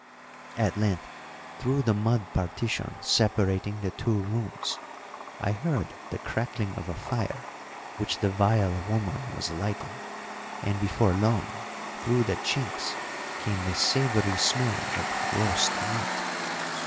At length, through the mud partition separating the two rooms, I heard the crackling of a fire which the vile woman was lighting; and, before long, through the chinks came the savoury smell of roast meat.